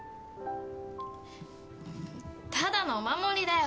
ただのお守りだよ